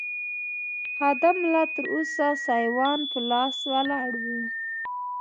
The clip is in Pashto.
خادم لا تراوسه سایوان په لاس ولاړ و.